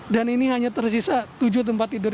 dan ini hanya tersisa tujuh tempat tidur